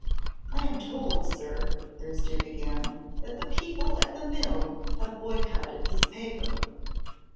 "I am told, sir," Thursday began, "that the people at the mill have boycotted this paper."